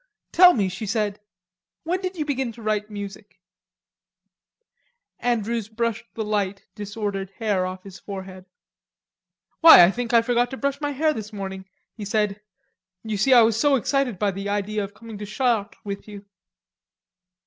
"Tell me," she said, "when did you begin to write music?" Andrews brushed the light, disordered hair off his forehead. "Why, I think I forgot to brush my hair this morning," he said. "You see, I was so excited by the idea of coming to Chartres with you."